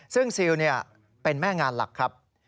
ซึ่งซิลเป็นแม่งานหลักครับ